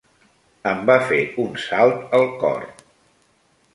Em va fer un salt el cor.